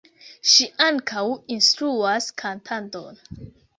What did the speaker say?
Ŝi ankaŭ instruas kantadon.